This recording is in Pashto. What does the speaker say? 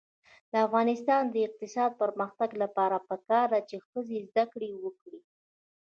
د افغانستان د اقتصادي پرمختګ لپاره پکار ده چې ښځې زده کړې وکړي.